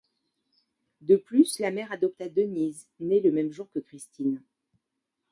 De plus la mère adopta Denise, née le même jour que Christine.